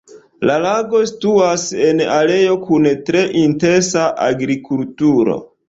La lago situas en areo kun tre intensa agrikulturo.